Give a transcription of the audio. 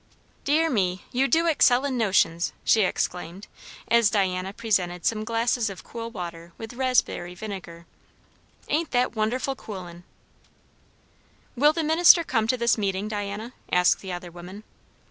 Dear me, you do excel in notions!" she exclaimed, as Diana presented some glasses of cool water with raspberry vinegar. "Ain't that wonderful coolin'!" "Will the minister come to the meeting, Diana?" asked the other woman.